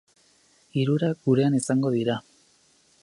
Hirurak gurean izango dira.